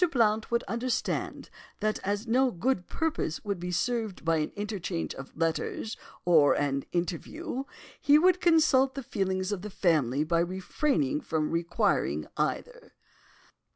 Blount would understand that, as no good purpose would be served by an interchange of letters or an interview, he would consult the feelings of the family by refraining from requiring either.